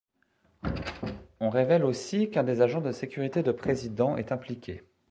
On révèle aussi qu’un des agents de sécurité de président est impliqué.